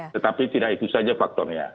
tetapi tidak itu saja faktornya